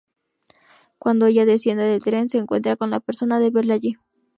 Cuando ella desciende del tren se encuentra con la sorpresa de verle allí.